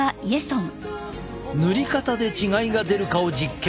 塗り方で違いが出るかを実験。